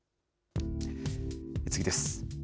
次です。